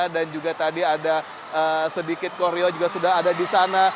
dan juga tadi ada sedikit koreo juga sudah ada disana